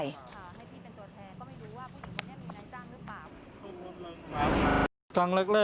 ค่ะให้พี่เป็นตัวแทนก็ไม่รู้ว่าผู้หญิงคนนี้มีนายจ้างหรือเปล่า